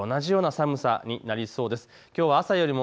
きょうと同じような寒さになりそうです。